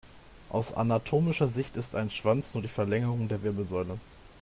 Aus anatomischer Sicht ist ein Schwanz nur die Verlängerung der Wirbelsäule.